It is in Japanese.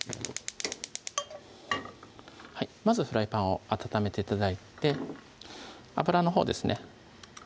まずフライパンを温めて頂いて油のほうですね